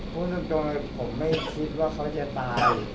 พูดโดยผมไม่คิดว่าเขาจะตาย